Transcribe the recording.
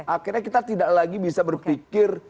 akhirnya kita tidak lagi bisa berpikir